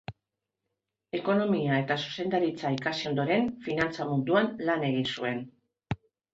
Ekonomia eta zuzendaritza ikasi ondoren, finantza munduan lan egin zuen.